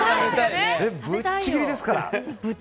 ぶっちぎりですから。